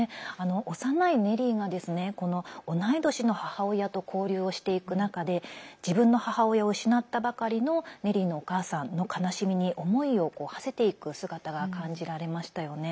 幼いネリーが同い年の母親と交流をしていく中で自分の母親を失ったばかりのネリーのお母さんの悲しみに思いをはせていく姿が感じられましたよね。